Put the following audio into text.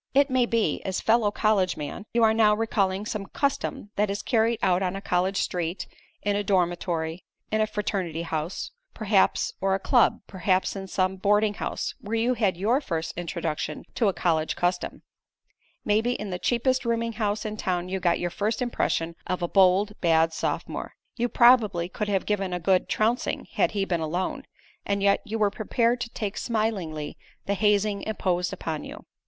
It may be, as fellow college man, you are now recalling some custom that is carried out on a college street, in a dormitory, in a fraternity house, perhaps, or a club; perhaps in some boarding house, where you had your first introduction to a college custom; maybe in the cheapest rooming house in town you got your first impression of a bold, bad sophomore. You probably could have given him a good trouncing had he been alone, and yet you were prepared to take smilingly the hazing imposed upon you.